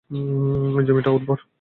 এই জমিটা উর্বর।